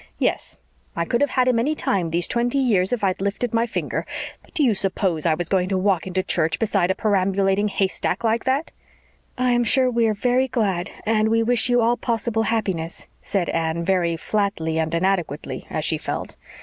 "Yes. I could have had him any time these twenty years if I'd lifted my finger. But do you suppose I was going to walk into church beside a perambulating haystack like that?" "I am sure we are very glad and we wish you all possible happiness," said Anne, very flatly and inadequately, as she felt.